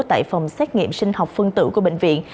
tại phòng xét nghiệm sinh học phân tử của bệnh viện